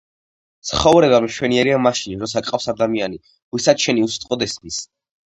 ცხობრება მშვენიერია მაშინ, როცა გყავს ადამიანი, ვისაც შენი უსიტყვოდ ესმის